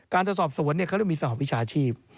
การจะสอบส่วนเนี่ยเขาเรียกว่ามีสหวังวิชาชีพ